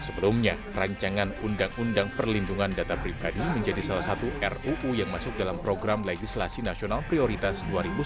sebelumnya rancangan undang undang perlindungan data pribadi menjadi salah satu ruu yang masuk dalam program legislasi nasional prioritas dua ribu sembilan belas